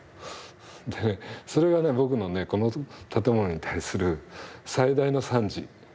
でそれがね僕のねこの建物に対する最大の賛辞。